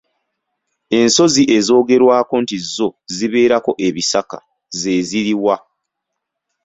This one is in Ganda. Ensozi ezoogerwako nti zo zibeerako ebisaka ze ziri wa?